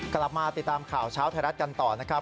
กลับมาติดตามข่าวเช้าไทยรัฐกันต่อนะครับ